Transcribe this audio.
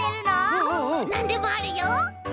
なんでもあるよ。